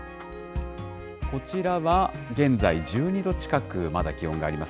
こちらは現在１２度近く、まだ気温があります。